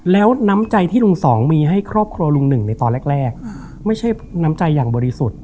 แล้วน้ำใจที่ลุงสองมีให้ครอบครัวลุงหนึ่งในตอนแรกไม่ใช่น้ำใจอย่างบริสุทธิ์